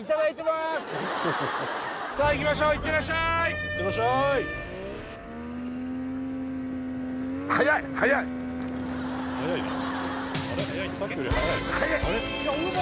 いただいてますさあいきましょういってらっしゃいいってらっしゃいはやいなさっきよりはやいはやい